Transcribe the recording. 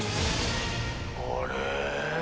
あれ？